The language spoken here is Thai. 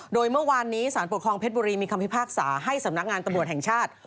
โดยเมื่อวานนี้สารปกครองเพชรบุรีมีคำพิพากษาให้สำนักงานตำรวจแห่งชาติ